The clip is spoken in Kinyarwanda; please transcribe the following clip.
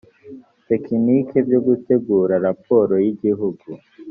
tekiniki byo gutegura raporo y igihugu